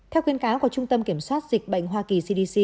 theo khuyến cáo của trung tâm kiểm soát dịch bệnh hoa kỳ